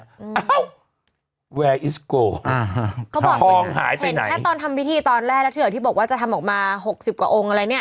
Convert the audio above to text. อ้าวแวร์อิสโกอ่าฮะเขาบอกทองหายไปเป็นแค่ตอนทำพิธีตอนแรกแล้วที่เหลือที่บอกว่าจะทำออกมาหกสิบกว่าองค์อะไรเนี่ย